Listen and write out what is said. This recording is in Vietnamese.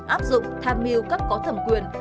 áp dụng tham mưu các có thẩm quyền